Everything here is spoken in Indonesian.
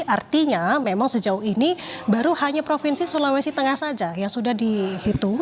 artinya memang sejauh ini baru hanya provinsi sulawesi tengah saja yang sudah dihitung